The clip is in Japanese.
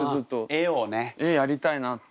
絵やりたいなって。